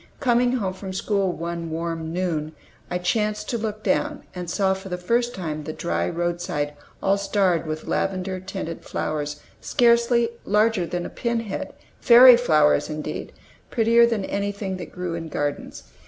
Coming home from school one warm noon, I chanced to look down, and saw for the first time the dry roadside all starred with lavender tinted flowers, scarcely larger than a pin head; fairy flowers, indeed; prettier than anything that grew in gardens.